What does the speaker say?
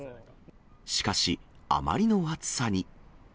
しかし、あまりの暑さに。